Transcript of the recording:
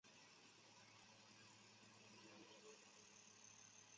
霍尔梅奇农村居民点是俄罗斯联邦布良斯克州苏泽姆卡区所属的一个农村居民点。